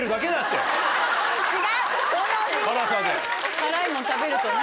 辛いもん食べるとね。